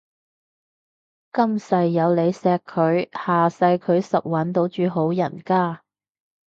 今世有你錫佢，下世佢實搵到住好人家